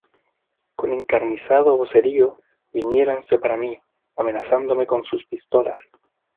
con encarnizado vocerío viniéronse para mí, amenazándome con sus pistolas.